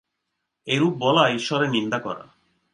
এরূপ বলা ঈশ্বরের নিন্দা করা।